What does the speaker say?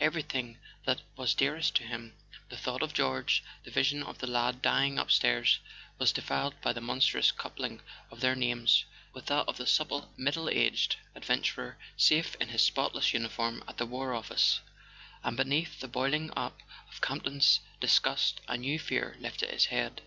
Everything that was dearest to him, the thought of George, the vision of the lad dying up¬ stairs, was defiled by this monstrous coupling of their names with that of the supple middle aged adventurer safe in his spotless uniform at the War Office. And be¬ neath the boiling up of Campton's disgust a new fear lifted its head.